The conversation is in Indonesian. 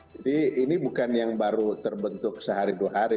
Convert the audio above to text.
ini bukan yang baru terbentuk sehari dua hari